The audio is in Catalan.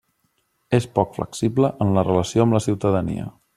És poc flexible en la relació amb la ciutadania.